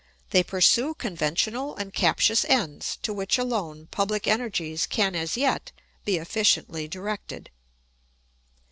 They pursue conventional and captious ends to which alone public energies can as yet be efficiently directed.